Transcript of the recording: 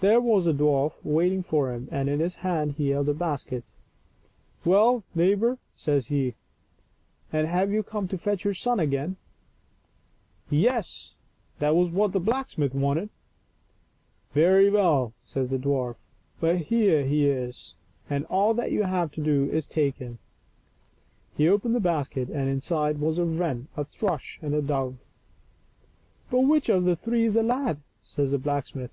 There was the dwarf waiting for him, and in his hand he held a basket. " Well, neighbor," says he, " and have you come to fetch your son again ?" Yes, that was what the blacksmith wanted. " Very well," says the dwarf, " here he is, and all that you have to do is to take him." He opened the basket, and inside was a wren, a thrush, and a dove. " But which of the three is the lad?" says the blacksmith.